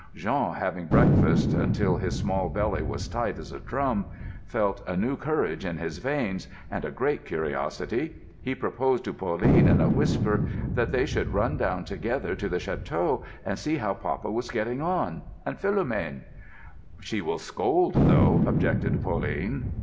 Jean, having breakfasted until his small belly was tight as a drum, felt a new courage in his veins, and a great curiosity. He proposed to Pauline in a whisper that they should run down together to the château and see how papa was getting on, and Philomène. "She will scold, though," objected Pauline.